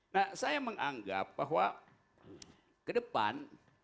nah saya menganggap bahwa ke depan